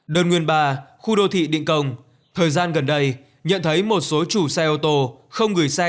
đơn nguyên ba khu đô thị định công thời gian gần đây nhận thấy một số chủ xe ô tô không gửi xe